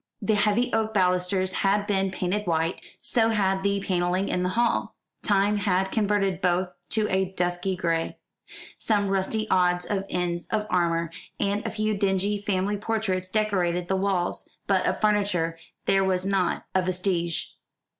The heavy oak balusters had been painted white, so had the panelling in the hall. Time had converted both to a dusky gray. Some rusty odds and ends of armour, and a few dingy family portraits decorated the walls; but of furniture there was not a vestige.